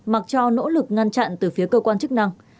mặc cho nỗ lực ngăn chặn từ phía cơ quan chức năng